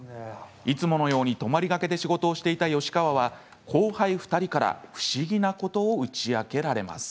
いつものように泊まりがけで仕事をしていた吉川は後輩２人から不思議なことを打ち明けられます。